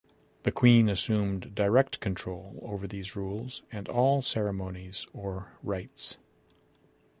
The queen assumed direct control over these rules and all ceremonies or rites.